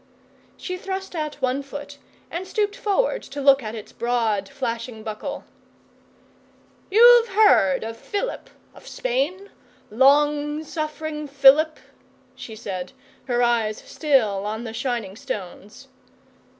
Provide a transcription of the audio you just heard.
She thrust out one foot, and stooped forward to look at its broad flashing buckle. 'You've heard of Philip of Spain long suffering Philip,' she said, her eyes still on the shining stones.